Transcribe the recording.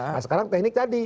nah sekarang teknik tadi